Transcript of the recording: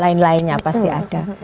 lain lainnya pasti ada